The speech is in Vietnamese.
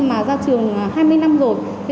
mà ra trường hai mươi năm rồi